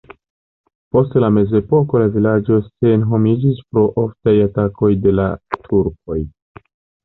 Post la mezepoko la vilaĝo senhomiĝis pro oftaj atakoj de la turkoj.